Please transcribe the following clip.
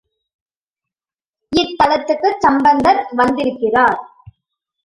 இத்தலத்துக்குச் சம்பந்தர் வந்திருக்கிறார்.